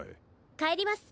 帰ります。